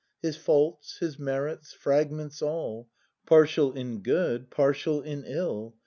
His faults, his merits, fragments all, Partial in good, partial in ill.